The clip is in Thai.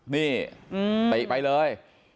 นี่ติไปเลย